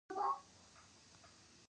د ریل پټلۍ شبکه پراخه شوه.